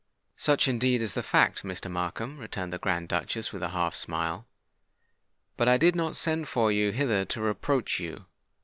"Such is indeed the fact, Mr. Markham," returned the Grand Duchess, with a half smile. "But I did not send for you hither to reproach you.